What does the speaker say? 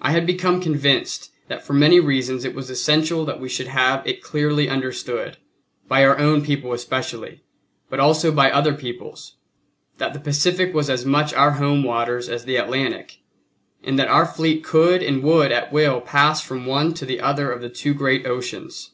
I had become convinced that for many reasons it was essential that we should have it clearly understood, by our own people especially, but also by other peoples, that the Pacific was as much our home waters as the Atlantic, and that our fleet could and would at will pass from one to the other of the two great oceans.